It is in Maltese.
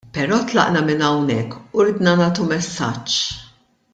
Però tlaqna minn hawnhekk u ridna nagħtu messaġġ.